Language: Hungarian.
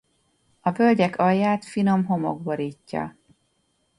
A völgyek alját finom homok borítja.